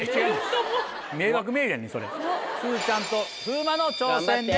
ずずちゃんと風磨の挑戦です。